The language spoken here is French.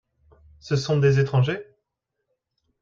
Ce sont des étrangers ?